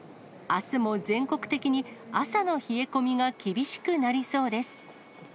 あすも全国的に朝の冷え込みが厳しくなりそうです。